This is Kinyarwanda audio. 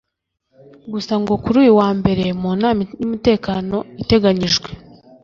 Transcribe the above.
Gusa ngo kuri uyu wa mbere mu nama y’umutekano iteganyijwe